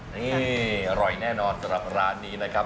นี่อร่อยแน่นอนสำหรับร้านนี้นะครับ